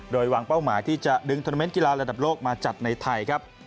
โดยวางเป้าหมายที่จะดึงโทรเมนต์กีฬาระดับโลกมาจัดในไทยครับ